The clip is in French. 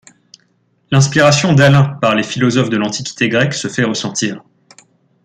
L'inspiration d'Alain par les philosophes de l'Antiquité grecque se fait ressentir.